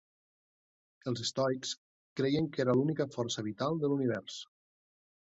Els estoics creien que era l'única força vital de l'univers.